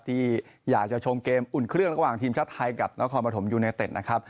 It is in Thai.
ที่อยากจะชมเกมอุ่นเครื่องระหว่างทีมชาติไทยกับนครปฐมยูเนเต็ดนะครับ